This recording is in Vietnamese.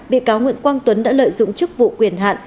bị cáo nguyễn quang tuấn đã lợi dụng chức vụ quyền hạn